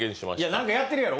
何かやってるやろ。